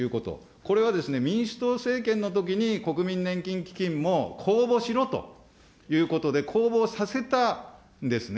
これは民主党政権のときに、国民年金基金も公募しろということで、公募をさせたんですね。